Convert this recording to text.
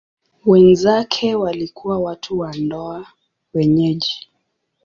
Wenzake walikuwa watu wa ndoa wenyeji.